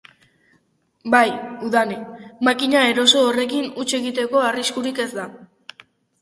Bai, Udane, makina eroso horrekin huts egiteko arriskurik ez da.